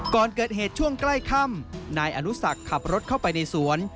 ก่อนเกิดเหตุช่วงใกล้ค่ำนายอนุสักขับรถเข้าไปในสวน